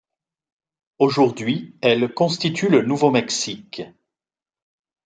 Aujourd'hui, elle constitue le Nouveau-Mexique.